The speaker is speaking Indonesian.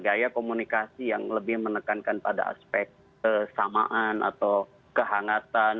gaya komunikasi yang lebih menekankan pada aspek kesamaan atau kehangatan